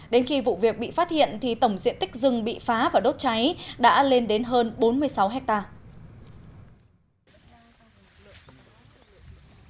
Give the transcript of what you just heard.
đến khi vụ việc bị phát hiện thì tổng diện tích rừng bị phá và đốt cháy đã lên đến hơn bốn mươi sáu hectare